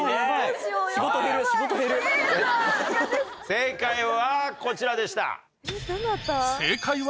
正解はこちらでした。